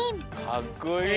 かっこいい。